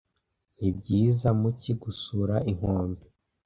Nibyiza, mu cyi, gusura inkombe.